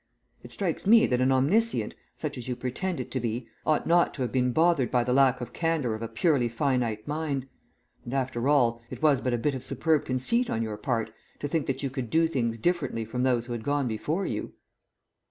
It strikes me that an omniscient, such as you pretended to be, ought not to have been bothered by the lack of candour of a purely finite mind; and, after all, it was but a bit of superb conceit on your part to think that you could do things differently from those who had gone before you."